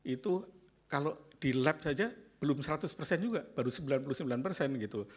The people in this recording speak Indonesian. itu kalau dilap saja belum seratus juga baru sembilan puluh sembilan gitu